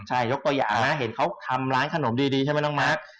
ใช่ยกตัวอย่างเมื่อเห็นเขาทำร้านขนมดีใช่มั้ยน้องมาส